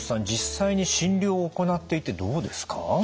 実際に診療を行っていてどうですか？